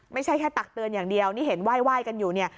ไม่ใช่แค่ตักเตือนอย่างเดียวนี่เห็นไหว้กันอยู่เนี่ย